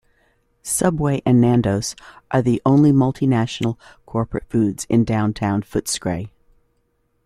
Subway and Nandos are the only multi-national corporate foods in downtown Footscray.